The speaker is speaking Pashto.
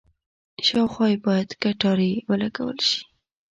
شاوخوا یې باید کټارې ولګول شي.